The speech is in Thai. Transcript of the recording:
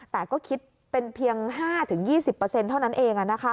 แต่ก็คิดเป็นเพียง๕๒๐เท่านั้นเอง